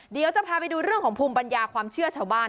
เดี๋ยวจะพาไปดูเรื่องของภูมิปัญญาความเชื่อชาวบ้าน